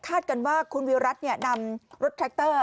คาดกันว่าคุณวิวรัชนี่นำรถแทรคเตอร์